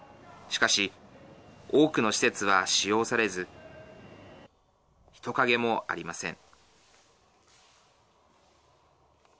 しかし、多くの施設は使用されず人影もありません。